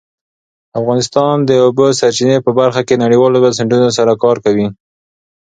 افغانستان د د اوبو سرچینې په برخه کې نړیوالو بنسټونو سره کار کوي.